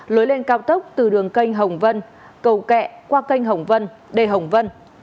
lối lên cao tốc từ đường canh hồng vân cầu kẹ qua canh hồng vân đề hồng vân